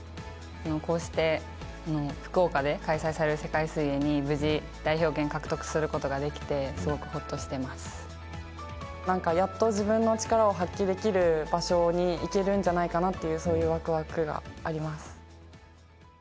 こうして福岡で開催される世界水泳に無事代表権獲得する事ができてなんかやっと自分の力を発揮できる場所に行けるんじゃないかなっていうそういうワクワクがあります。